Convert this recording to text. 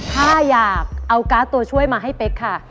ถ้าอยากเอาการ์ดตัวช่วยมาให้เป๊กค่ะ